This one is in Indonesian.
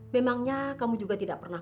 memangnya kamu juga tidak pernah